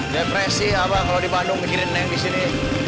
depresi abah kalau di bandung mikirin neng di sini